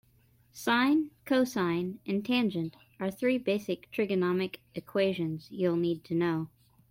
Sine, cosine and tangent are three basic trigonometric equations you'll need to know.